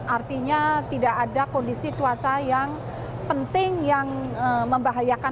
artinya tidak ada kondisi cuaca yang penting yang membahayakan